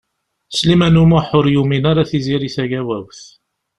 Sliman U Muḥ ur yumin ara Tiziri Tagawawt.